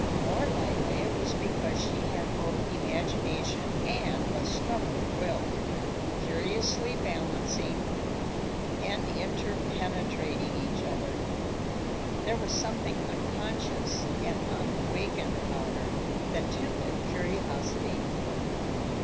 More likely it was because she had both imagination and a stubborn will, curiously balancing and interpenetrating each other. There was something unconscious and unawakened about her, that tempted curiosity.